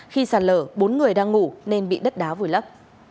khi sạt lở bốn người đang ngủ nên bị đất đá vùi lấp